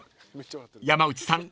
［山内さん